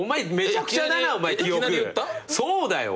そうだよ！